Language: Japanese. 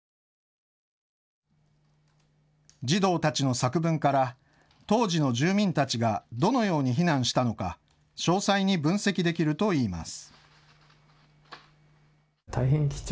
児童たちの作文から当時の住民たちがどのように避難したのか詳細に分析できるといいます。